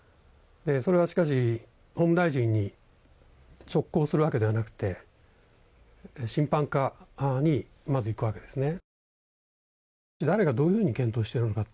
しかし、それは法務大臣に直行するわけではなくて審判課にまず行くわけですね。